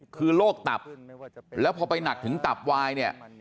คือโรคตับแล้วพอไปหนักถึงตับวายเนี่ย